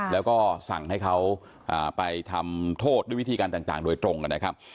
แล้วก็สั่งให้เขาไปทำโทษด้วยวิธีการต่างโดยตรงนะครับ